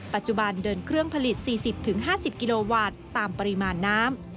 ปัจจุบันเดินเครื่องผลิต๔๐๕๐กิโลวัตต์ตามปริมาณน้ำ